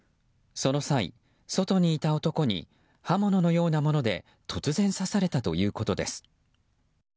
その際、外にいた男に刃物のようなもので突然、刺されたということです。